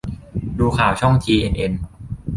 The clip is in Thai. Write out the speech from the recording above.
ดูข่าวช่องทีเอ็นเอ็น